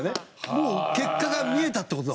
もう結果が見えたって事だもんね。